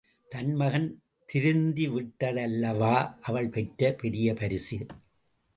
தன் மகன் திருந்திவிட்டதல்லவா அவள் பெற்ற பெரிய பரிசு!